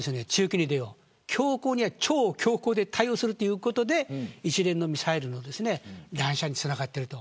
強硬には超強硬で対応するということで一連のミサイル乱射につながっている。